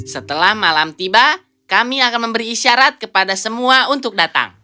setelah malam tiba kami akan memberi isyarat kepada semua untuk datang